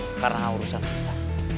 sekarang urusan kita